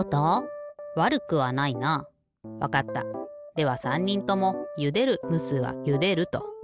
では３にんともゆでるむすはゆでると。